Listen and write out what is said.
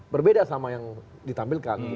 berbeda sama yang ditampilkan